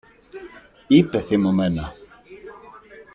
είπε θυμωμένα.